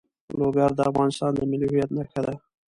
لوگر د افغانستان د ملي هویت نښه ده.